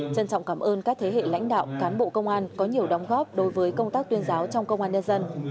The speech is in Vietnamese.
trân trọng cảm ơn các thế hệ lãnh đạo cán bộ công an có nhiều đóng góp đối với công tác tuyên giáo trong công an nhân dân